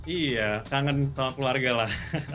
iya kangen sama keluarga lah